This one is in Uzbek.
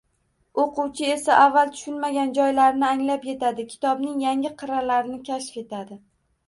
O‘quvchi esa avval tushunmagan joylarini anglab yetadi, kitobning yangi qirralarini kashf etadi.